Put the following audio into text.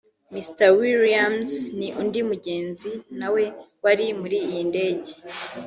Mr Williams ni undi mugenzi nawe wari muri iyi ndege